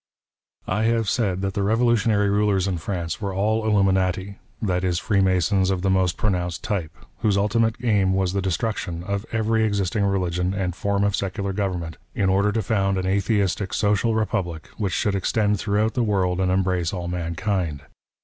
I have said that the revolutionary rulers in France were all Hluminati — that is Freemasons of the most pronounced type — whose ultimate aim was the destruction of every existing religion and form of secular government, in order to found an atheistic, social republic, which should extend throughout the world and embrace all mankind.